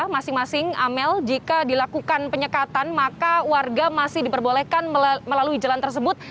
masing masing amel jika dilakukan penyekatan maka warga masih diperbolehkan melalui jalan tersebut